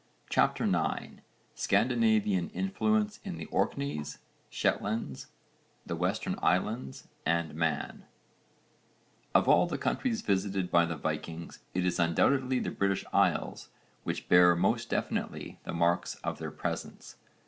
CHAPTER IX SCANDINAVIAN INFLUENCE IN THE ORKNEYS, SHETLANDS, THE WESTERN ISLANDS AND MAN Of all the countries visited by the Vikings it is undoubtedly the British Isles which bear most definitely the marks of their presence.